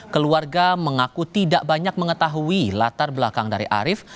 keluarga mengaku tidak banyak mengetahui latar belakang dari arief